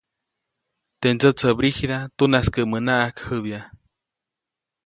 Teʼ ndsätsäbrigida tunaskäʼmänaʼajk jäbya.